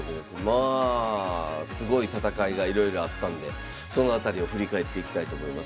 まあすごい戦いがいろいろあったんでその辺りを振り返っていきたいと思います。